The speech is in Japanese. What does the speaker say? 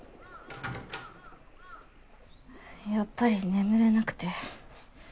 やっぱり眠れなくて。